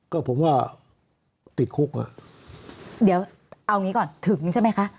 ก็ผมว่า